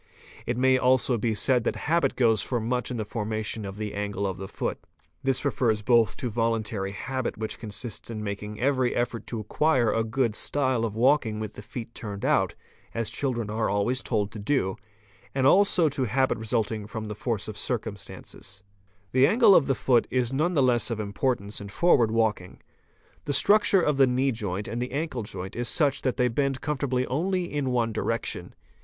It may also be said that habit goes for much in th e formation of the angle of the foot. This refers both to voluntary Jabit which consists in making every effort to acquire a good style of Walking with the feet turned out, as children are always told to do, and Iso to habit resulting from the force of circumstances. 520 FOOTPRINTS The angle of the foot is none the less of importance in forward walk ing. The structure of the knee joint and the ankle joint is such that they bend comfortably only in one direction.